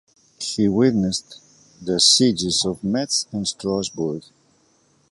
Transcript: He witnessed the sieges of Metz and Strasbourg.